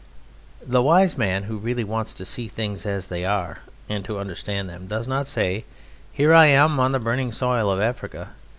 The wise man who really wants to see things as they are and to understand them, does not say: "Here I am on the burning soil of Africa."